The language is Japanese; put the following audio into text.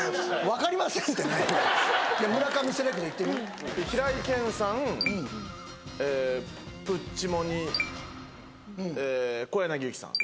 分かりませんって何や村上セレクト言ってみ平井堅さんえっプッチモニえっ小柳ゆきさん